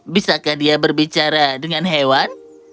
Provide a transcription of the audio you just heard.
bisakah dia berbicara dengan hewan